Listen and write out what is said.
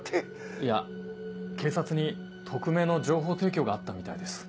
いや警察に匿名の情報提供があったみたいです。